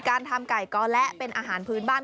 การทำไก่ก๊อและเป็นอาหารพื้นบ้าน